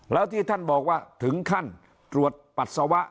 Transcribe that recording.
แล้วที่ท่านบอกว่าถึงขั้นตรวจปัสสาวะ